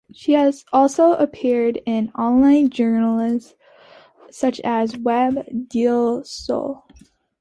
She has also appeared in online journals such as "Web Del Sol".